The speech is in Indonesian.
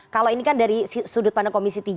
kalau ini kan dari sudut pandang komisi tiga